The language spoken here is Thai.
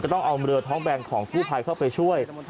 ต้องเอาเรือท้องแบนของกู้ภัยเข้าไปช่วย